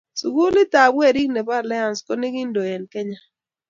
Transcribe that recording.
sukulitab werik nebo alliance ko nekintee en kenya